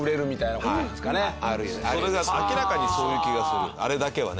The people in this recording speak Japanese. それが明らかにそういう気がするあれだけはね。